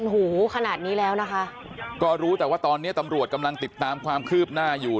หูขนาดนี้แล้วนะคะก็รู้แต่ว่าตอนนี้ตำรวจกำลังติดตามความคืบหน้าอยู่